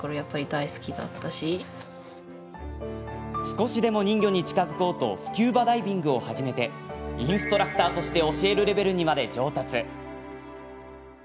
少しでも人魚に近づこうとスキューバダイビングを始めてインストラクターとして教えるレベルにまで上達。